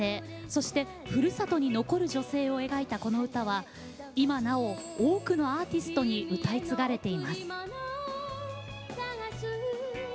そして、ふるさとに残る女性を描いたこの歌は今なお、多くのアーティストに歌い継がれています。